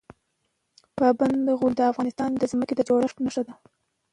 پابندي غرونه د افغانستان د ځمکې د جوړښت نښه ده.